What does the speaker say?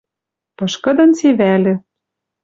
Пышкыдын севӓльӹ: —